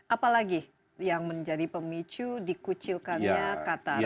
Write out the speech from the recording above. apa lagi yang menjadi pemicu dikucilkannya qatar